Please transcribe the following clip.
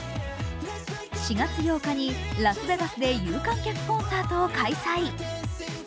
４月８日にラスベガスで有観客コンサートを開催。